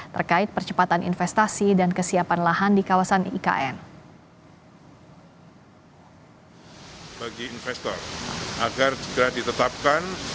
terkait percepatan investasi dan kesiapan lahan di kawasan ikn